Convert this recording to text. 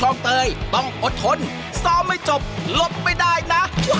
บอกแต่เล่นเหรอ